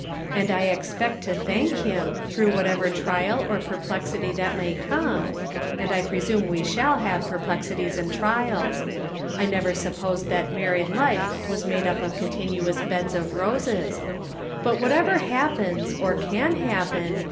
And I expect to thank him, through whatever trial or perplexity that may come, and I presume we shall have per plexities and trials; I never supposed that married life was made up of continuous beds of roses ; but whatever happens or can happen "Yet LacJcest Thou